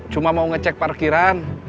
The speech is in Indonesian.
cuma mau ngecek parkiran